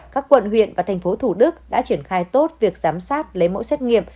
các quận huyện và thành phố thủ đức đã triển khai tốt việc giám sát lấy mẫu xét nghiệm